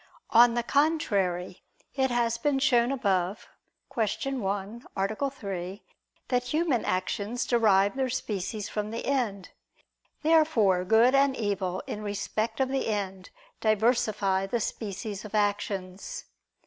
On the contrary, It has been shown above (Q. 1, A. 3) that human actions derive their species from the end. Therefore good and evil in respect of the end diversify the species of actions.